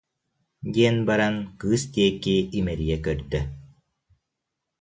диэн баран кыыс диэки имэрийэ көрдө